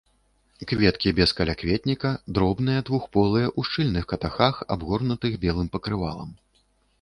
Кветкі без калякветніка, дробныя, двухполыя, у шчыльных катахах, абгорнутых белым пакрывалам.